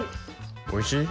おいしい？